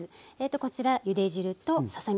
こちらゆで汁とささ身。